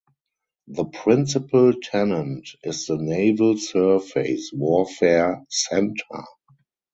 The principal tenant is the Naval Surface Warfare Center.